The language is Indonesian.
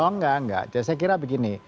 oh enggak enggak saya kira begini